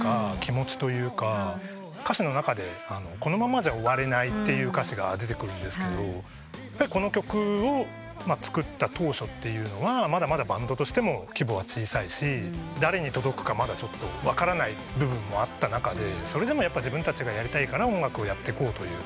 歌詞の中で「このままじゃ終われない」って出てくるんですがこの曲を作った当初ってまだまだバンドとしても規模は小さいし誰に届くかまだ分からない部分もあった中でそれでも自分たちがやりたいから音楽をやっていこうという。